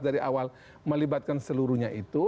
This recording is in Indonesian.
dari awal melibatkan seluruhnya itu